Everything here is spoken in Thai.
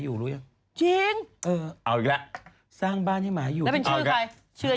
สรุปทาวน์ฮาวให้หมาอยู่รู้หรือ